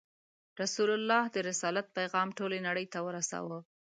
رسول الله د رسالت پیغام ټولې نړۍ ته ورساوه.